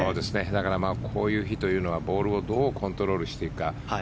だからこういう日というのはボールをどうコントロールしていくのか。